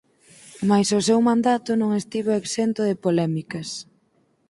Mais o seu mandato non estivo exento de polémicas.